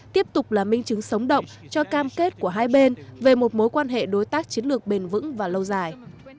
tiếp tục là minh chứng sống động cho cam kết của hai bên về một mối quan hệ đối tác chiến lược bền vững và lâu dài